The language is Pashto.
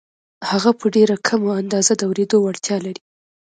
هغه په ډېره کمه اندازه د اورېدو وړتیا لري